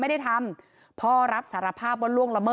ไม่ได้ทำเพราะรับสารภาพว่า